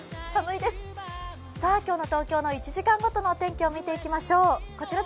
今日の東京の１時間ごとのお天気を見ていきましょう。